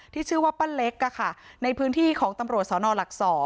ที่ชื่อว่าป้าเล็กในพื้นที่ของตำรวจสนหลัก๒